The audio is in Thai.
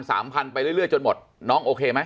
สามพันไปเรื่อยจนหมดน้องโอเคไหม